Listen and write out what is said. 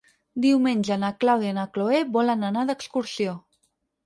Diumenge na Clàudia i na Cloè volen anar d'excursió.